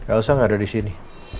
elsa nggak ada di sini